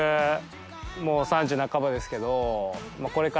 もう３０なかばですけど。